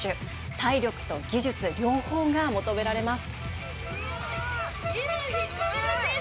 体力と技術、両方が求められます。